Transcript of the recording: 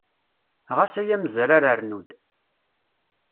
Ɣas ay amezrar rnu-d.